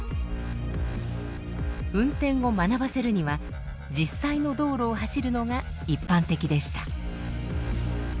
運転を学ばせるには実際の道路を走るのが一般的でした。